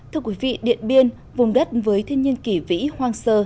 thưa quý vị điện biên vùng đất với thiên nhiên kỷ vĩ hoang sơ